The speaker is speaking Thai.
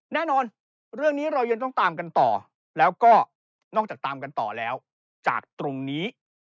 แน่นอนเรื่องนี้เรายังต้องตามกันต่อแล้วก็นอกจากตามกันต่อแล้วจากตรงนี้